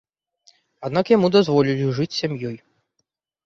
Аднак яму дазволілі жыць з сям'ёй.